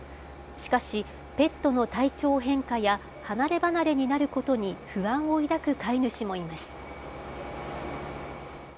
しかし、ペットの体調変化や離ればなれになることに不安を抱く飼い主もいます。